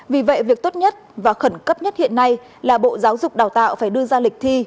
vì vậy việc tốt nhất và khẩn cấp nhất hiện nay là bộ giáo dục đào tạo phải đưa ra lịch thi